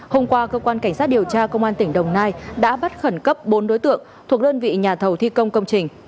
hôm qua cơ quan cảnh sát điều tra công an tỉnh đồng nai đã bắt khẩn cấp bốn đối tượng thuộc đơn vị nhà thầu thi công công trình